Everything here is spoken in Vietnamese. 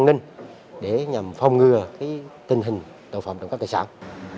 nên để nhằm phòng ngừa cái tình hình tội phạm trong các tài sản